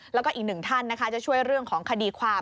แล้วก็อีกหนึ่งท่านนะคะจะช่วยเรื่องของคดีความ